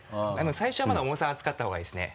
最初はまだ重さ扱った方がいいですね。